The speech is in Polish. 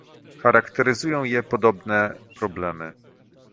Charakteryzują je podobne problemy